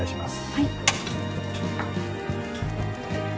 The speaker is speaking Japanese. はい。